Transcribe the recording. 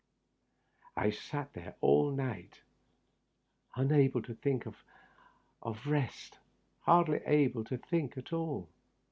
I Bat there all night, unable to think of rest — ^hardly able to think at all.